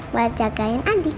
buat jagain adik